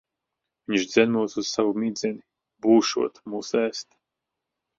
Viņš dzen mūs uz savu midzeni. Būšot mūs ēst.